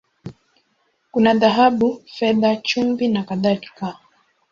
Kuna dhahabu, fedha, chumvi, na kadhalika.